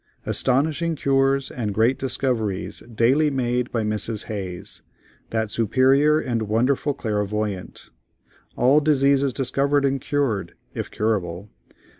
—Astonishing cures and great discoveries daily made by MRS. HAYES, that superior and wonderful clairvoyant. All diseases discovered and cured (if curable).